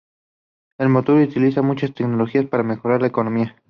El motor utiliza muchas tecnologías para mejorar la economía.